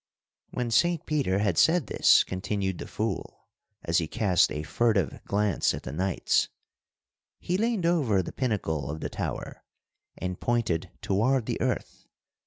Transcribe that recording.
"When Saint Peter had said this," continued the fool, as he cast a furtive glance at the knights, "he leaned over the pinnacle of the tower and pointed toward the earth.